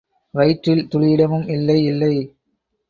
வயிற்றில்—துளி இடமும் இல்லை, இல்லை!